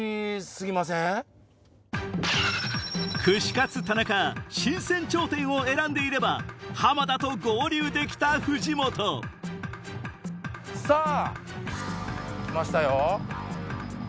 串カツ田中神泉町店を選んでいれば浜田と合流できた藤本さぁ！来ましたよ。